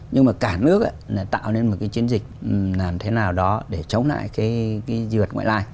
nhưng mà cả nước tạo nên một cái chiến dịch làm thế nào đó để chống lại cái dượt ngoại lai